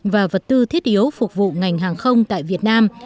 và vật tư thiết yếu phục vụ ngành hàng không tại việt nam